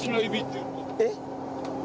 えっ？